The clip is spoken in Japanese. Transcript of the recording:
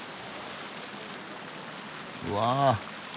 うわ